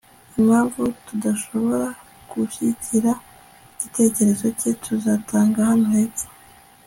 impamvu tudashobora gushyigikira igitekerezo cye tuzatanga hano hepfo